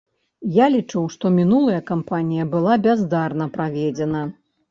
Я лічу, што мінулая кампанія была бяздарна праведзена.